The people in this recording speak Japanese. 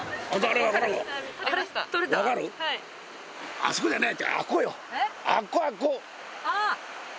あそこじゃないって。